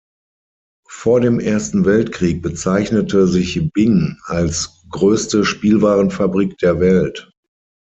Vor dem Ersten Weltkrieg bezeichnete sich Bing als „größte Spielwarenfabrik der Welt“.